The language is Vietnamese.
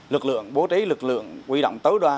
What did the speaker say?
lực lượng bố trí lực lượng quy động tối đa